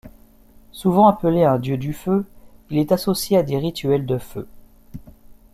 Souvent appelé un dieu du feu, il est associé à des rituels de feu.